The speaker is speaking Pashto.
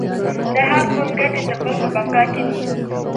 د هر ګوند ګټې د بل په بقا کې دي